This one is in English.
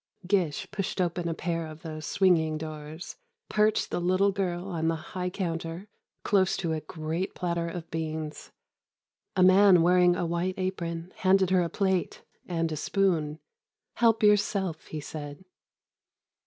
Gish pushed open a pair of these swinging doors, perched the little girl on the high counter, close to a great platter of beans. A man wearing a white apron handed her a plate and a spoon: "Help yourself," he said.